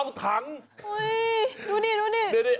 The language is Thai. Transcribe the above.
โอ้ยดูนี่